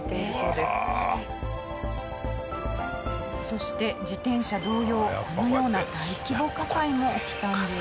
そして自転車同様このような大規模火災も起きたんです。